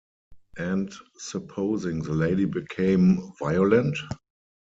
And supposing the lady became violent?